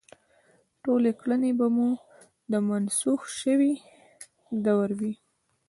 ټولې کړنې به مو د منسوخ شوي دور وي.